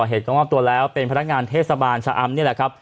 เป็นพยายามเป็นพนักงานเทศบาลฉะอำ